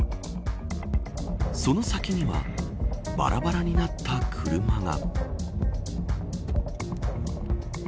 その先にはばらばらになった車が。